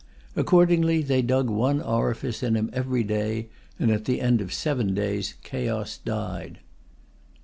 Accordingly they dug one orifice in him every day; and at the end of seven days Chaos died.